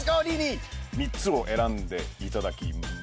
３つを選んでいただきました。